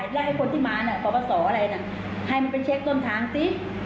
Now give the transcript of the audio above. แล้วให้คนที่มาน่ะประวัติศาสตร์อะไรน่ะให้มันไปเช็คต้นทางสิ